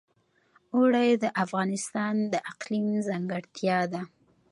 اوړي د افغانستان د اقلیم ځانګړتیا ده.